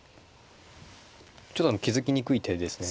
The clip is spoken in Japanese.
ちょっと気付きにくい手ですね